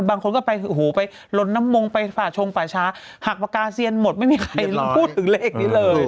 บางคนก็ไปโอ้โหไปลนน้ำมงไปฝ่าชงป่าช้าหักปากกาเซียนหมดไม่มีใครพูดถึงเลขนี้เลย